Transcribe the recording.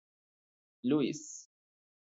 Luis